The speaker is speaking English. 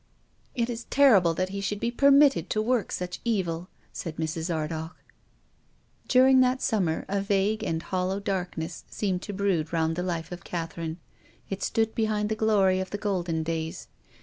" It is terrible that he should be permitted to work such evil," said Mrs. Ardagh. During that summer a vague and hollow dark ness seemed to brood round the life of Cather ine. It stood behind the glory of the golden days.